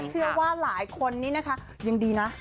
เชื่อว่าหลายคนนี้นะคะยังดีนะ